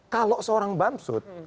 kalau seorang bamsu